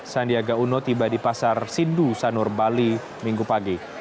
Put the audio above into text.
sandiaga uno tiba di pasar sindu sanur bali minggu pagi